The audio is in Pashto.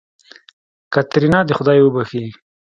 کاتېرينا دې خداى وبښي.